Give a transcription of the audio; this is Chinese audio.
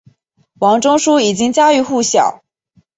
王仲殊已经家喻户晓。